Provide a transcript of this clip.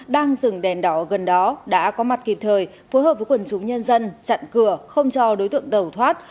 đang dừng đèn đỏ gần đó đã có mặt kịp thời phối hợp với quần chúng nhân dân chặn cửa không cho đối tượng đầu thoát